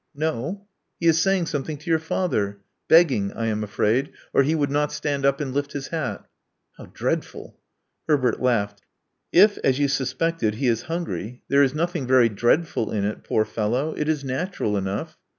" No. He is saying something to your father. Beg ging, I am afraid, or he would not stand up and lift hi hat." . V*How dreadful!" Herbert laughed. If, as you suspected, he hungry, there is nothing very dreadful in it, ^ fellow. It is natural enough."